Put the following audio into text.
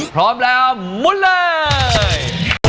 พร้อมแล้วมุนเลย